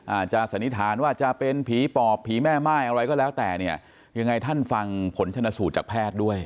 สันนิษฐานว่าจะเป็นผีปอบผีแม่ม่ายอะไรก็แล้วแต่เนี่ยยังไงท่านฟังผลชนสูตรจากแพทย์ด้วย